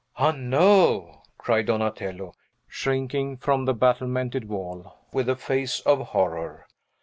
"Ah, no!" cried. Donatello, shrinking from the battlemented wall with a face of horror.